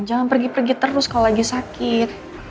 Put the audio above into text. jangan pergi pergi terus kalau lagi sakit